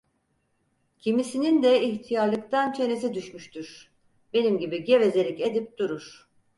Kimisinin de ihtiyarlıktan çenesi düşmüştür, benim gibi gevezelik edip durur.